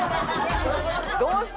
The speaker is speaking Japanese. どうした？